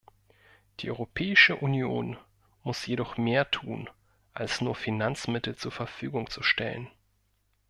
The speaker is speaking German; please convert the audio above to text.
Die Europäische Union muss jedoch mehr tun, als nur Finanzmittel zur Verfügung zu stellen.